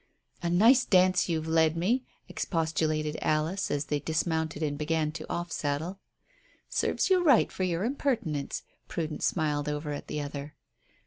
"A nice dance you've led me," expostulated Alice, as they dismounted and began to off saddle. "Serves you right for your impertinence," Prudence smiled over at the other.